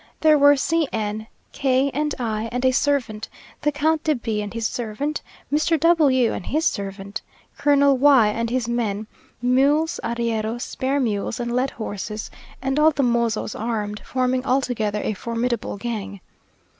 There were C n, K , and I, and a servant; the Count de B and his servant; Mr. W and his servant; Colonel Y and his men; mules, arrieros, spare mules, and led horses; and all the mozos armed, forming altogether a formidable gang.